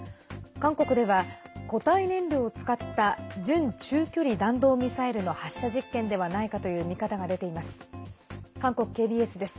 韓国では固体燃料を使った準中距離弾道ミサイルの発射実験ではないかという見方が出ています。